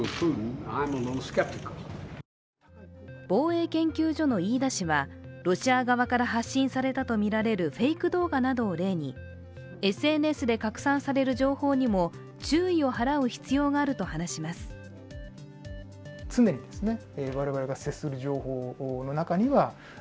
防衛研究所の飯田氏はロシア側から発信されたとみられるフェイク動画などを例にＳＮＳで拡散される情報にも注意を払う必要があると話します。